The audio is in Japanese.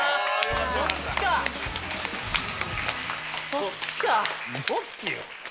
そっちか！